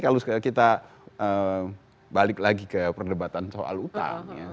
jadi kalau kita balik lagi ke perdebatan soal hutang ya